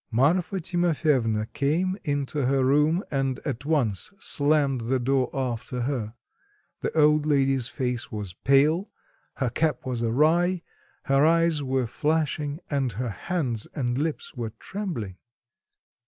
Marfa Timofyevna came into her room, and at once slammed the door after her. The old lady's face was pale, her cap was awry, her eyes were flashing, and her hands and lips were trembling.